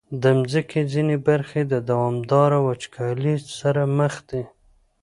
د مځکې ځینې برخې د دوامداره وچکالۍ سره مخ دي.